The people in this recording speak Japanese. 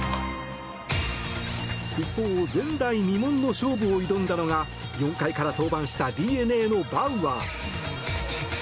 一方、前代未聞の勝負に挑んだのが４回から登板したＤｅＮＡのバウアー。